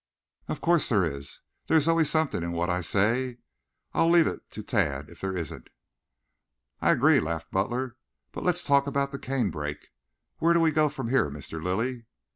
"Of course there is. There is always something in what I say. I'll leave it to Tad, if there isn't." "I agree," laughed Butler. "But let's talk about the canebrake. Where do we go from here, Mr. Lilly?"